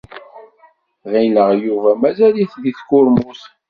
Ɣileɣ Yuba mazal-it deg tkurmut.